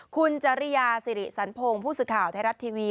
คุณจริยาสิริสันพงศ์ผู้สื่อข่าวไทยรัฐทีวี